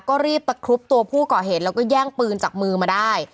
ก็รีบตะครุบตัวผู้ก่อเหตุแล้วก็แย่งปืนจากมือมาได้